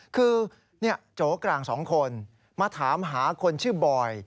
คือโจกลาง๒คนมาถามหาคนชื่อบอย